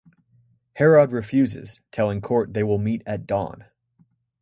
Herod refuses, telling Cort they will meet at dawn.